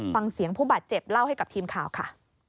ฟังเสียงผู้บาดเจ็บเล่าให้กับทีมข่าวค่ะ